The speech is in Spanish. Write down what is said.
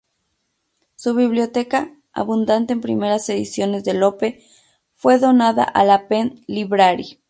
Su Biblioteca, abundante en primeras ediciones de Lope, fue donada a la Penn Library.